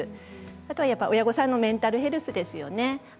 あとはやっぱり親御さんのメンタルヘルスですよね。